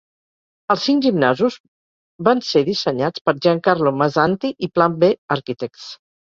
Els cinc gimnasos van ser dissenyats per Giancarlo Mazzanti i Plan B Architects.